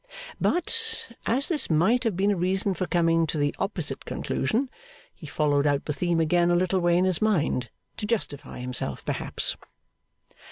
But, as this might have been a reason for coming to the opposite conclusion, he followed out the theme again a little way in his mind; to justify himself, perhaps.